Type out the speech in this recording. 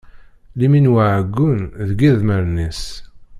Limin uɛeggun deg idmaren is.